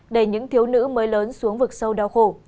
đẩy những thiếu nữ mới lớn xuống vực sâu đau khổ